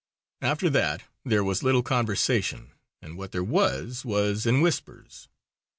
After that there was little conversation, and what there was was in whispers.